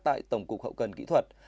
tại tổng cục hậu cần kỹ thuật